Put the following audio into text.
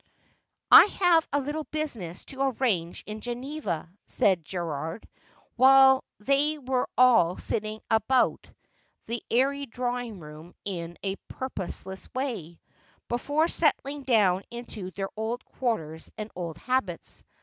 ' I have a little business to arrange in G eneva,' said Gerald, while they were all sitting about the airy drawing room in a purposeless way, before settling down into their old quarters and old habits.